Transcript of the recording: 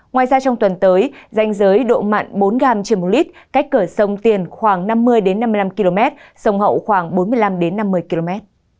ngoài ra trong tuần tới danh giới độ mặn bốn gram trên một lít cách cửa sông tiền khoảng năm mươi năm mươi năm km sông hậu khoảng bốn mươi năm năm mươi km